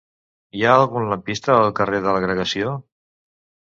Hi ha algun lampista al carrer de l'Agregació?